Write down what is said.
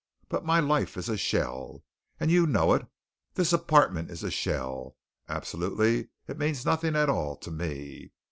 But my life is a shell, and you know it. This apartment is a shell. Absolutely it means nothing at all to me.